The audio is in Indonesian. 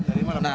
dari mana pak